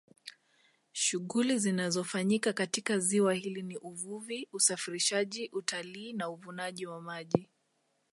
Shughuli zinazofanyika katika ziwa hili ni uvuvi usafirishaji utalii na uvunaji wa maji